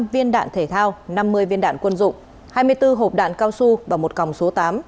hai trăm linh viên đạn thể thao năm mươi viên đạn quân dụng hai mươi bốn hộp đạn cao su và một còng số tám